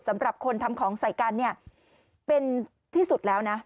สำหรับคนทำของใส่กันเนี่ยเป็นที่สุดแล้วนะ